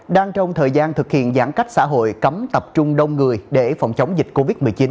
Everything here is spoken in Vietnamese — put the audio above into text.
đang trong thời gian thực hiện giãn cách xã hội cấm tập trung đông người để phòng chống dịch covid một mươi chín